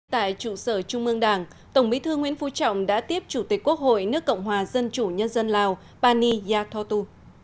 tại trụ sở trung ương đảng tổng bí thư nguyễn phú trọng đã tiếp chủ tịch quốc hội nước cộng hòa dân chủ nhân dân lào pani yathotu